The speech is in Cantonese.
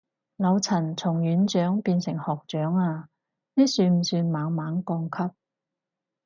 老陳從院長變成學長啊，呢算不算猛猛降級